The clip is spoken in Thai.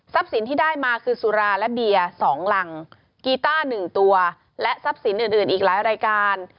สินที่ได้มาคือสุราและเบียร์๒รังกีต้า๑ตัวและทรัพย์สินอื่นอีกหลายรายการ